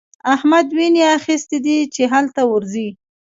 احمد ويني اخيستی دی چې هلته ورځي.